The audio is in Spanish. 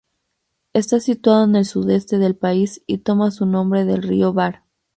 Está situado en el sudeste del país y toma su nombre del río Var.